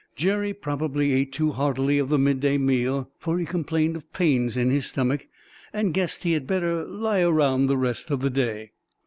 Jerry probably ate too heartily of the midday meal, for he complained of pains in his stomach and "guessed he had better lie around the rest of the day."